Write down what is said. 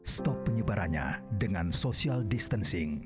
stop penyebarannya dengan social distancing